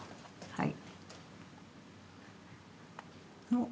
はい。